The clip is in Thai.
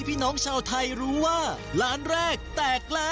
เดินมาเถอะ